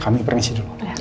kami permisi dulu